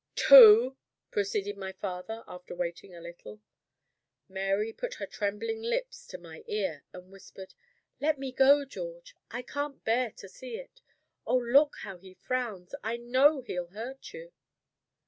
"Two!" proceeded my father, after waiting a little. Mary put her trembling lips to my ear, and whispered: "Let me go, George! I can't bear to see it. Oh, look how he frowns! I know he'll hurt you."